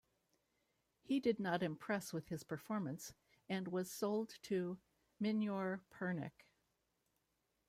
He did not impress with his performance and was sold to Minyor Pernik.